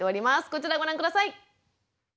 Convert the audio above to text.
こちらご覧下さい。